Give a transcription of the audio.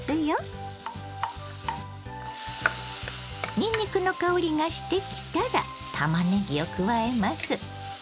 にんにくの香りがしてきたらたまねぎを加えます。